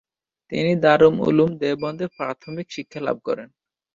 তিনি দারুল উলুম দেওবন্দে প্রাথমিক শিক্ষা লাভ করেন।